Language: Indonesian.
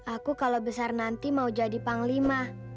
aku kalau besar nanti mau jadi panglima